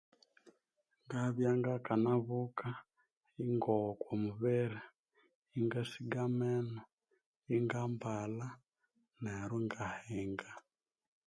Ngabya ngakanabuka ingogha okumubiri ingasiga amenu ingambalha neru ingahinga